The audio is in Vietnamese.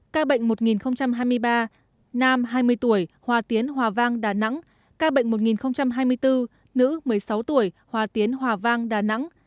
các bệnh một hai mươi ba nam hai mươi tuổi hòa tiến hòa vang đà nẵng